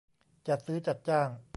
จัดซื้อจัดจ้าง